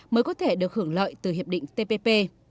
mới có thể được hưởng lợi từ hiệp định tpp